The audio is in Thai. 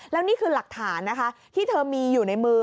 แล้วนี่คือหลักฐานนะคะที่เธอมีอยู่ในมือ